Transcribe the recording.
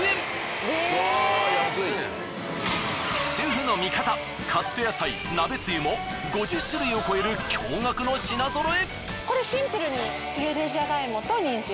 主婦の味方カット野菜鍋つゆも５０種類を超える驚愕の品ぞろえ。